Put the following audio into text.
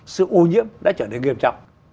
sự ô nhiễm đã trở nên nghiêm trọng